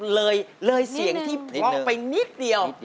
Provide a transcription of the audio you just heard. เลยเสียงที่เพราะไปนิดเดียว